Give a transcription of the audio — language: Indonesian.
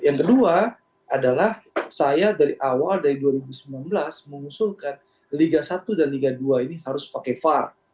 yang kedua adalah saya dari awal dari dua ribu sembilan belas mengusulkan liga satu dan liga dua ini harus pakai var